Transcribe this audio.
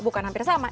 bukan hampir sama